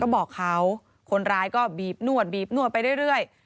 ก็บอกเขาคนร้ายก็บีบนวดบีบนวดไปเรื่อย